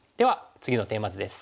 次のテーマ図です。